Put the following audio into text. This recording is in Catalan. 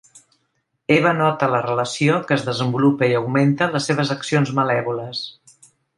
Eva nota la relació que es desenvolupa i augmenta les seves accions malèvoles.